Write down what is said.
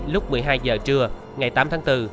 lúc một mươi hai h trưa ngày tám tháng bốn